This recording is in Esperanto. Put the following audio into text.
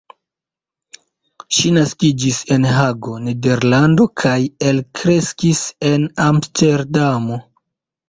Ŝi naskiĝis en Hago, Nederlando kaj elkreskis en Amsterdamo.